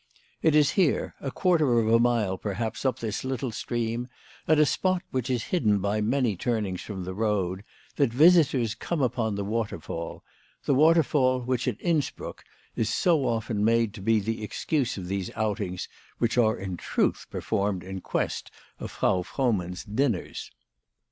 It is here, a quarter of a mile per haps up this little stream, at a spot which is hidden by many turnings from the road, that visitors come upon the waterfall, the ivaterfall which at Innsbruck is so often made to be the excuse of these outings which are in truth performed in quest of Frau Frohmann's din ners.